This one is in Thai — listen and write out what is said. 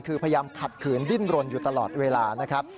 คือพยายามขัดขืนดิ้นรนอยู่ตลอดเวลานะครับ